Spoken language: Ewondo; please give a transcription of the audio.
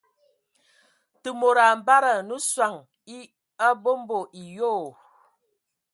Te mod a ambada nə soŋ e abombo e yoo.